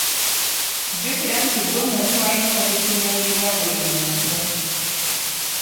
Jjukira nti gwe muntu alina okutunuulirwa buli muntu.